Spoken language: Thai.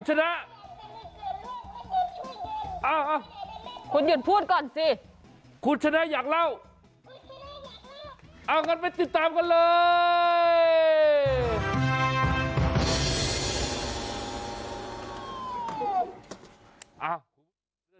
คุณชนะคุณหยุดพูดก่อนสิคุณชนะอยากเล่าคุณชนะอยากเล่าเอากันไปติดตามกันเลย